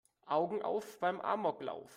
Augen auf beim Amoklauf!